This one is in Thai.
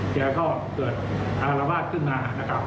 แก่ก็เกิดอารวาสขึ้นมา